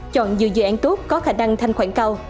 chọn nhiều dự án tốt có khả năng thanh khoản cao